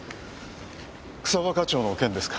草葉課長の件ですか？